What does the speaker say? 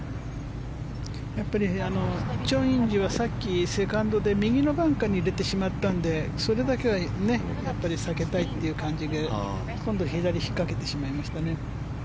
チョン・インジはさっきセカンドで右のバンカーに入れてしまったのでそれだけは避けたいという感じで今度、左に引っかけてしまいましたね。